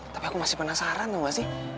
tapi aku masih penasaran tuh gak sih